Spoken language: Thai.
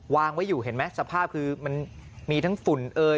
วางไว้อยู่เห็นไหมสภาพคือมันมีทั้งฝุ่นเอ่ย